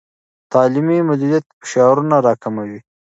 تعلیمي مدیریت فشارونه راکموي.